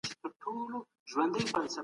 تاسو باید په کمپيوټر پوهنه کي عملي کار وکړئ.